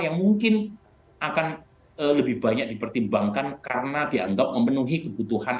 yang mungkin akan lebih banyak dipertimbangkan karena dianggap memenuhi kebutuhan